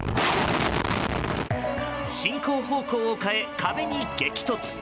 進行方向を変え、壁に激突。